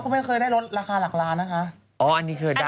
ไม่ได้แล้ว